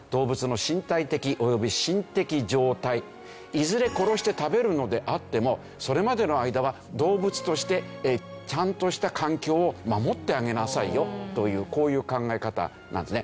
いずれ殺して食べるのであってもそれまでの間は動物としてちゃんとした環境を守ってあげなさいよというこういう考え方なんですね。